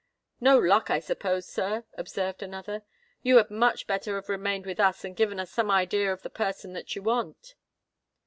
"No luck, I suppose, sir?" observed another. "You had much better have remained with us and given us some idea of the person that you want."